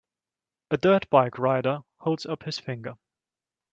a dirt bike rider holds up his finger.